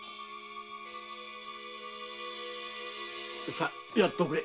さあやっておくれ。